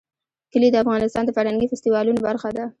کلي د افغانستان د فرهنګي فستیوالونو برخه ده.